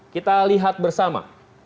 kita lihat bersama